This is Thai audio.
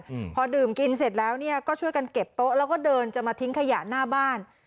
อืมพอดื่มกินเสร็จแล้วเนี้ยก็ช่วยกันเก็บโต๊ะแล้วก็เดินจะมาทิ้งขยะหน้าบ้าน